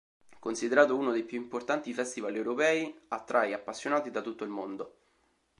Considerato uno dei più importanti festival europei, attrae appassionati da tutto il mondo.